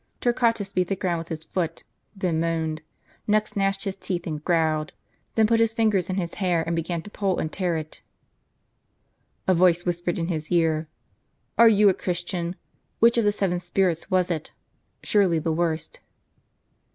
Torquatus beat the ground with his foot ; then moaned, next gnashed his teeth and growled ; then put his fingers in his hair, and begun to pull and tear it. A voice whispered in his ear, "Are you a Christian?" Which of the seven spirits was it ? surely the worst.